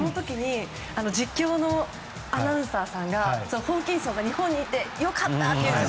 実況のアナウンサーさんがホーキンソンが日本にいて良かった！って。